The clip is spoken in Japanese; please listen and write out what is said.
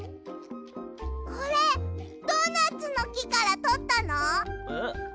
これドーナツのきからとったの？え？